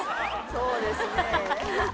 そうですね。